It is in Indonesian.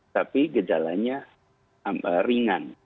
tapi kejalannya ringan